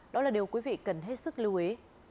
đó là điều quý vị cần hết sức lưu ý